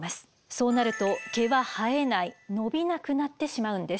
そうなると毛は生えない伸びなくなってしまうんです。